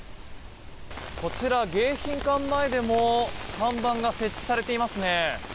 こちら、迎賓館前でも看板が設置されていますね。